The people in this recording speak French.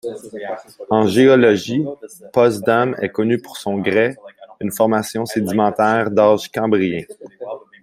En géologie, Postdam est connue pour son grès, une formation sédimentaire d'âge cambrien.